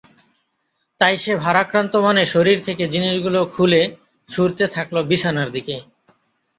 তাই সে ভারাক্রান্ত মনে শরীর থেকে জিনিস গুলো খুলে ছুড়তে থাকলো বিছানার দিকে।